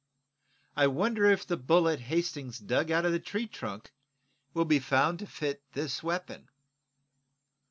"I wonder if the bullet Hastings dug out of the tree trunk will be found to fit this weapon?"